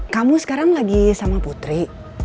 kamu sekarang lagi sama putri